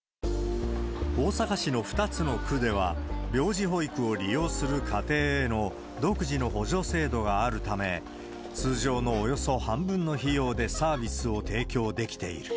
大阪市の２つの区では、病児保育を利用する家庭への独自の補助制度があるため、通常のおよそ半分の費用でサービスを提供できている。